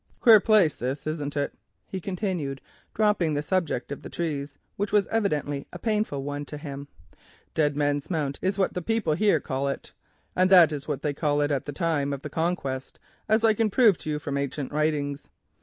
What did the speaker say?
Queer place this, isn't it?" he continued, dropping the subject of the trees, which was evidently a painful one to him. "Dead Man's Mount is what the people about here call it, and that is what they called it at the time of the Conquest, as I can prove to you from ancient writings.